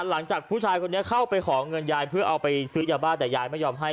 หลังจากผู้ชายคนนี้เข้าไปขอเงินยายเพื่อเอาไปซื้อยาบ้าแต่ยายไม่ยอมให้